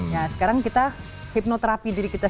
ya sekarang kita hipnoterapi diri kita